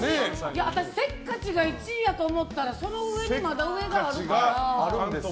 私、せっかちが１位やと思ったらその上にまだ上があるから。